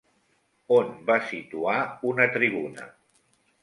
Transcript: On va situar una tribuna?